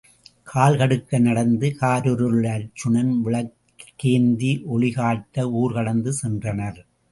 கால் கடுக்க நடந்து காரிருளில் அருச்சுனன் விளக் கேந்தி ஒளி காட்ட ஊர் கடந்து சென்றனர்.